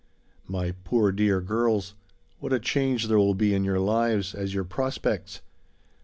My poor dear girls; what a change there will be in your lives, as your prospects!